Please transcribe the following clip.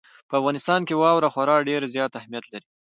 په افغانستان کې واوره خورا ډېر زیات اهمیت لري.